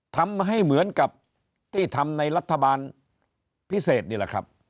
ทำให้เหมือนกับที่ทำในรัฐบาลพิเศษนี่แหละครับ